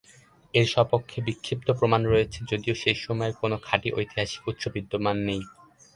এর সপক্ষে বিক্ষিপ্ত প্রমাণ রয়েছে যদিও সেই সময়ের কোনও খাঁটি ঐতিহাসিক উৎস বিদ্যমান নেই।